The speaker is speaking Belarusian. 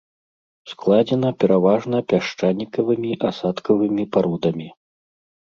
Складзена пераважна пясчанікавымі асадкавымі пародамі.